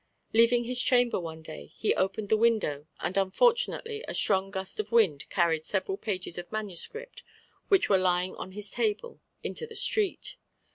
Leaving his chamber one day, he opened the window, and unfortunately a strong gust of wind carried several pages of MS. which were lying on his table into the street.